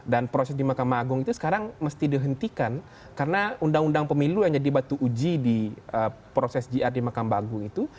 proses di mahkamah agung itu sekarang mesti dihentikan karena undang undang pemilu yang jadi batu uji di proses jr di makam agung itu